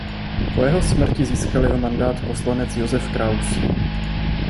Po jeho smrti získal jeho mandát poslanec Josef Kraus.